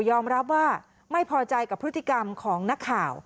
อมรับว่าไม่พอใจกับพฤติกรรมของนักข่าว